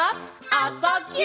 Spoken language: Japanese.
「あ・そ・ぎゅ」